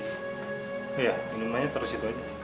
oh iya ini rumahnya terus itu aja